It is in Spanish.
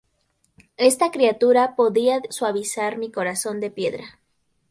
Esta criatura podía suavizar mi corazón de piedra.